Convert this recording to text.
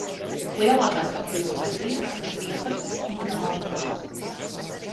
Lielākās apdzīvotās vietas ir Viesatas un Rāvi.